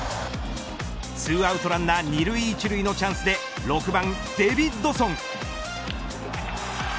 ２アウトランナー２塁１塁のチャンスで６番デビッドソン。